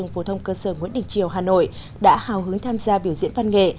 phổ thông cơ sở nguyễn đình triều hà nội đã hào hứng tham gia biểu diễn văn nghệ